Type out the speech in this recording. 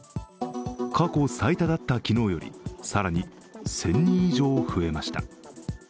過去最多だった昨日より更に１０００人以上増えました。